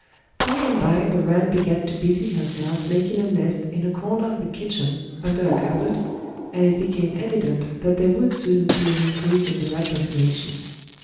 By and by the rat began to busy herself making a nest in a corner of the kitchen under a cupboard, and it became evident that there would soon be an increase in the rat population.